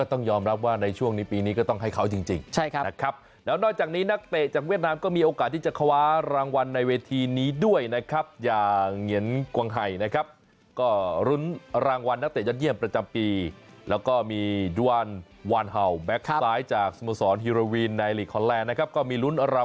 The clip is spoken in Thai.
ต้องยอมรับว่าในช่วงนี้ปีนี้ก็ต้องให้เขาจริงใช่ครับนะครับแล้วนอกจากนี้นักเตะจากเวียดนามก็มีโอกาสที่จะคว้ารางวัลในเวทีนี้ด้วยนะครับอย่างเหงียนกวังไห่นะครับก็รุ้นรางวัลนักเตะยอดเยี่ยมประจำปีแล้วก็มีด้วนวานเห่าแก๊กซ้ายจากสโมสรฮิโรวีนในลีกคอนแลนด์นะครับก็มีลุ้น